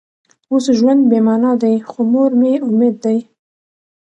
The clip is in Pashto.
اوس ژوند بې معنا دی خو مور مې امید دی